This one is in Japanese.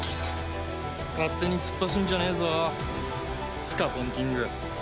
勝手に突っ走んじゃねえぞスカポンキング。